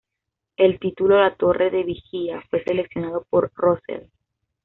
El título "La torre del vigía" fue seleccionado por Russell.